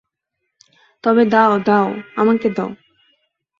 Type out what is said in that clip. তবে দাও দাও, আমাকে দাও।